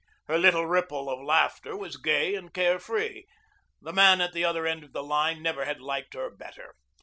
Her little ripple of laughter was gay and care free. The man at the other end of the line never had liked her better.